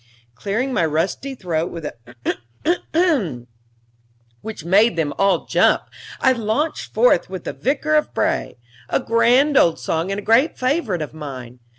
Clearing my rusty throat with a ghrr ghrr hram which made them all jump, I launched forth with the "Vicar of Bray" a grand old song and a great favorite of mine.